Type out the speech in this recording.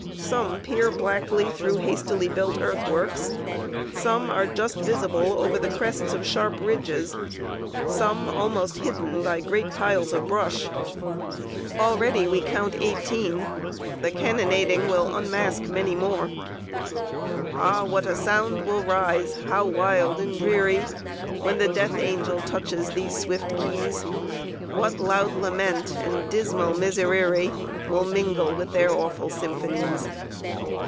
Some peer blackly through hastily built earthworks; some are just visible over the crests of sharp ridges; some almost hidden by great piles of brush. Already we count eighteen; the cannonading will unmask many more. "Ah, what a sound will rise, how wild and dreary, When the Death angel touches these swift keys! What loud lament and dismal miserere Will mingle with their awful symphonies!"